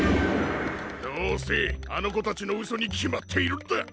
どうせあのこたちのうそにきまっているんだ！